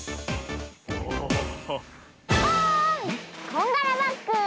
こんがらバッグ！